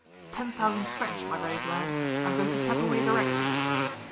ten thousand French, my brave lad! I am going to tap away directly."